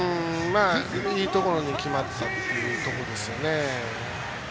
いいところに決まったってところですね。